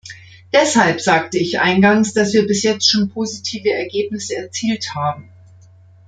Deshalb sagte ich eingangs, dass wir bis jetzt schon positive Ergebnisse erzielt haben.